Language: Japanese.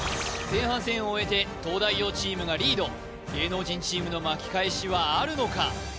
前半戦終えて東大王チームがリード芸能人チームの巻き返しはあるのか？